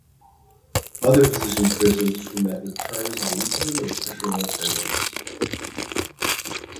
Other physicians' criticisms were met with charges of elitism and professional arrogance.